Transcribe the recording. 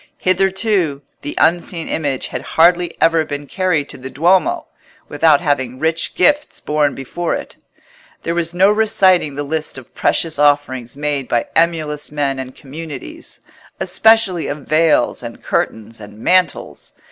Hitherto the unseen Image had hardly ever been carried to the Duomo without having rich gifts borne before it. There was no reciting the list of precious offerings made by emulous men and communities, especially of veils and curtains and mantles.